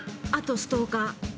あとストーカー。